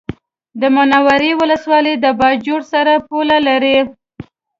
د منورې ولسوالي د باجوړ سره پوله لري